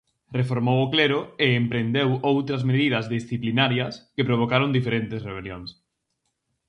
Reformou o clero e emprendeu outras medidas disciplinarias que provocaron diferentes rebelións.